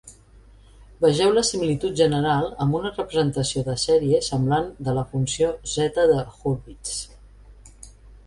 Vegeu la similitud general amb una representació de sèrie semblant de la funció zeta d'Hurwitz.